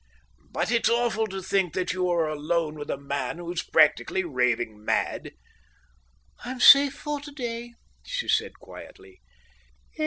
"But it's awful to think that you are alone with a man who's practically raving mad." "I'm safe for today," she said quietly.